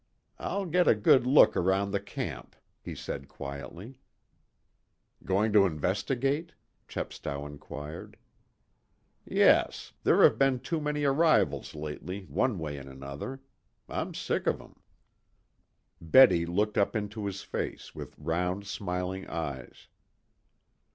"I'll get a good look around the camp," he said quietly. "Going to investigate?" Chepstow inquired. "Yes. There have been too many arrivals lately one way and another. I'm sick of 'em." Betty looked up into his face with round smiling eyes.